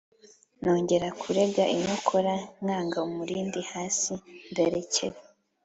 Nongeye kurega inkokora nkanga umulindi hasi, ndarekera.